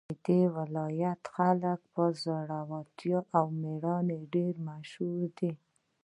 د دې ولایت خلک په زړورتیا او میړانه ډېر مشهور دي